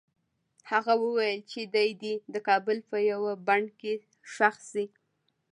هغه وویل چې دی دې د کابل په یوه بڼ کې ښخ شي.